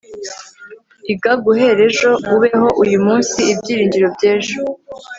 iga guhera ejo, ubeho uyu munsi, ibyiringiro by'ejo